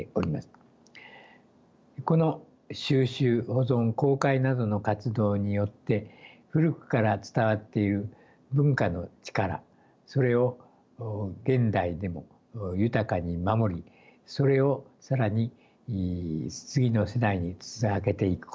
この収集保存公開などの活動によって古くから伝わっている文化の力それを現代でも豊かに守りそれを更に次の世代につなげていくこと。